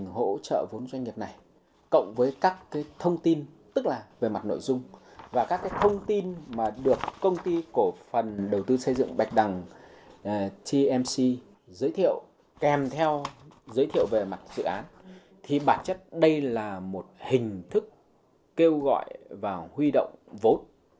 hình thức kêu gọi và huy động vốn